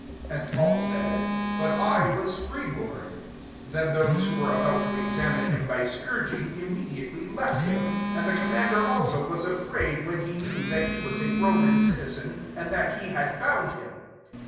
^' Ahd Paul said, " But I was yrftf bom." 29 Then those who were about to examine him by scourging, im mediately lefl him: and the commander also was afraid when he knew that he was a Roman citizen^ and that he had bound him.